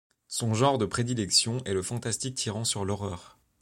Son genre de prédilection est le fantastique tirant sur l'horreur.